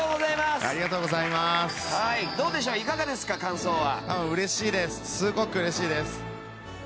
すごく嬉しいです。